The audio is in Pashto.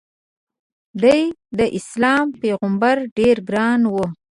د ی داسلام په پیغمبر ډېر ګران و.